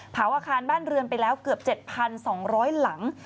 อาคารบ้านเรือนไปแล้วเกือบ๗๒๐๐หลัง